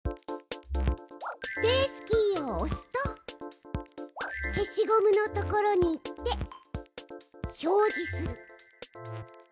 スペースキーを押すと消しゴムのところに行って表示する。